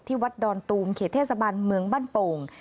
วัดดอนตูมเขตเทศบาลเมืองบ้านโป่ง